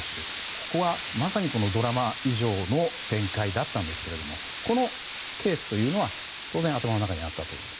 ここはまさにドラマ以上の展開だったんですがこのケースというのは当然、頭の中にあったと？